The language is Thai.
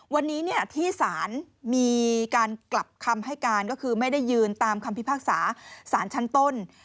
วันนี้ที่ศาลมีการกลับคำให้การก็คือไม่ได้ยืนตามคำพิพากษาสารชั้นต้น